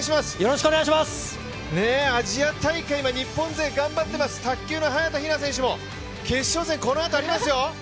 アジア大会は日本勢頑張ってます、卓球の早田ひな選手も決勝戦、このあとありますよ。